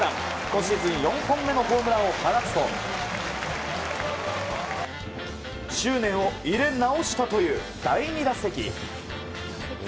今シーズン４本目のホームランを放つと執念を入れ直したという第２打席。